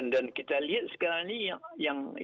dan kita lihat sekarang ini